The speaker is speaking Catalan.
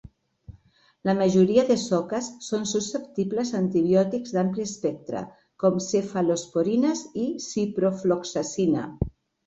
La majoria de soques són susceptibles a antibiòtics d'ampli espectre, com cefalosporines i ciprofloxacina.